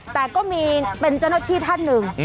แต่ก็มีเป็นเจ้าหน้าที่ท่านหนึ่ง